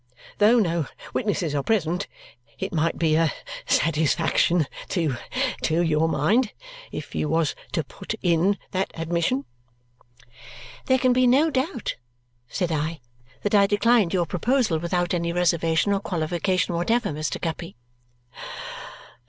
Though no witnesses are present, it might be a satisfaction to to your mind if you was to put in that admission." "There can be no doubt," said I, "that I declined your proposal without any reservation or qualification whatever, Mr. Guppy."